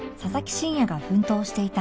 深夜が奮闘していた